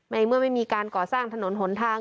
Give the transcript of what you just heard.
เมื่อไม่มีการก่อสร้างถนนหนทาง